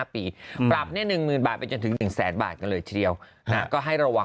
พักกับกู้เดี๋ยวกลับมา